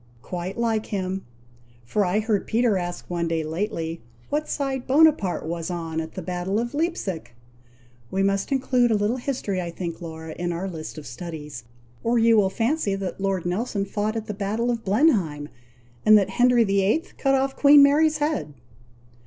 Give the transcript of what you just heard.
"Quite like him! for I heard Peter ask one day lately, what side Bonaparte was on at the battle of Leipsic? We must include a little history I think, Laura, in our list of studies, or you will fancy that Lord Nelson fought at the battle of Blenheim, and that Henry VIII. cut off Queen Mary's head."